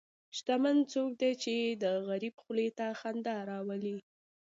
شتمن څوک دی چې د غریب خولې ته خندا راولي.